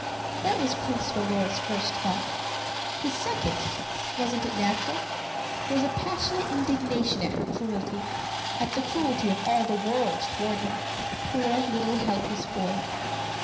That was Prince Dolor's first thought. His second wasn't it natural? was a passionate indignation at her cruelty at the cruelty of all the world toward him, a poor little helpless boy.